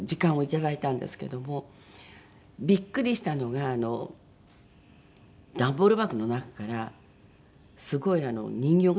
ビックリしたのが段ボール箱の中からすごい人形が出てきたんですね。